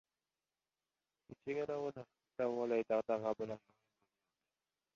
— Yeching anovini! — Dalavoy dag‘dag‘a bilan oyimga buyurdi.